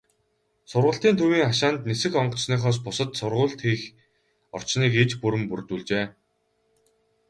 Сургалтын төвийн хашаанд нисэх онгоцныхоос бусад сургуулилалт хийх орчныг иж бүрэн бүрдүүлжээ.